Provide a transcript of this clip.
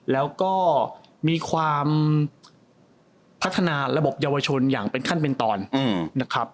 แล้วก็มีความพัฒนาระบบเยาวชนอย่างเป็นขั้นเป็นตอนนะครับ